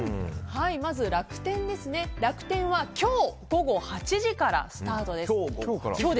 まず楽天ですが楽天は今日午後８時からスタートです。